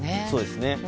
そうですね。